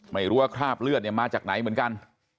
ไม่รู้ว่าคราบเลือดเนี่ยมาจากไหนเหมือนกัน